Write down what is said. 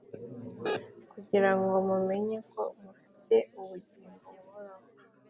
kugira ngo mumenye ko mufite ubugingo buhoraho